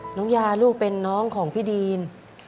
น้องยาลูกเป็นน้องของพี่ดีน